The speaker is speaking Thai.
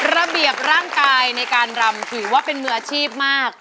ระเบียบร่างกายในการรำถือว่าเป็นมืออาชีพมาก